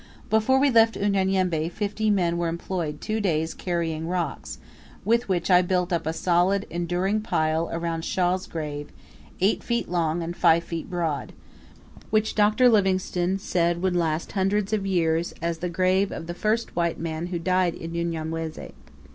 Before we left Unyanyembe fifty men were employed two days carrying rocks, with which I built up a solid enduring pile around Shaw's grave eight feet long and five feet broad, which Dr. Livingstone said would last hundreds of years, as the grave of the first white man who died in Unyamwezi.